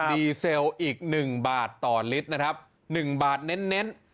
ดีเซลอีก๑บาทต่อลิตรนะครับ๑บาทเน้น